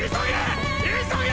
急げ！！